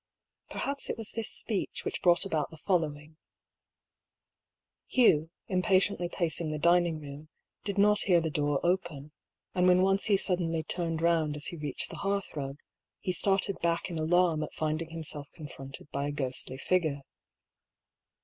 Perhaps it was this speech which brought about the following :— Hugh, impatiently pacing the dining room, did not 114 DR. PAULL'S THEORY. hear the door open, and when once he suddenly turned round as he reached the hearthrug, he started back in alarm at finding himself confronted by a ghostly figure.